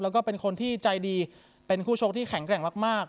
แล้วก็เป็นคนที่ใจดีเป็นคู่ชกที่แข็งแกร่งมาก